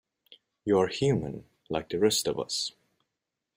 You are human, like the rest of us.